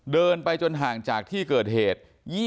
เดินไปจนห่างจากที่เกิดเหตุ